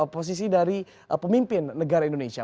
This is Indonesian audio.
posisi dari pemimpin negara indonesia